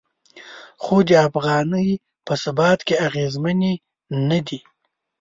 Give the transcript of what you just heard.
خو د افغانۍ په ثبات کې اغیزمنې نه دي.